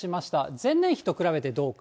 前年比と比べてどうか。